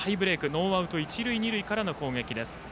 ノーアウト、一塁二塁からの攻撃。